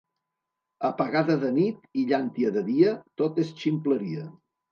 Apagada de nit i llàntia de dia, tot és ximpleria.